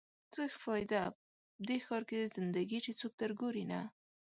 څه فایده؟ دې ښار کې زنده ګي چې څوک در ګوري نه